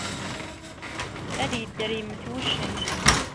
Ad yedder yemmet wuccen.